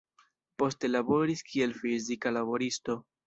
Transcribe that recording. Poste laboris kiel fizika laboristo.